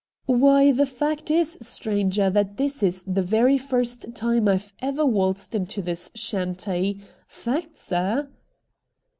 ' Why, the fact is, stranger, that this is the very first time I've ever waltzed into this shanty. Fact, sir.'